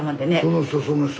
その人その人。